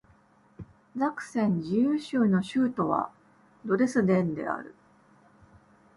ザクセン自由州の州都はドレスデンである